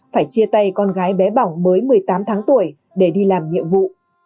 phải chia tay con gái bé bỏng mới một mươi tám tháng tuổi để đi làm nhiệm vụ